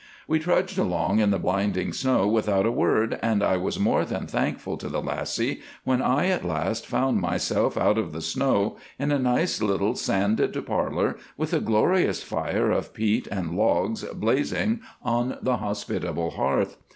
We trudged along in the blinding snow without a word, and I was more than thankful to the lassie when I at last found myself out of the snow in a nice little sanded parlour with a glorious fire of peat and logs blazing on the hospitable hearth.